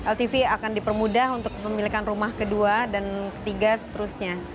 ltv akan dipermudah untuk pemilikan rumah kedua dan ketiga seterusnya